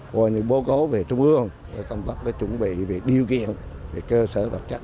gọi những bố gấu về trung ương để công tác cái chuẩn bị về điều kiện về cơ sở vật chất